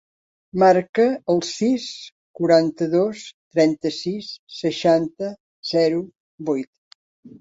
Marca el sis, quaranta-dos, trenta-sis, seixanta, zero, vuit.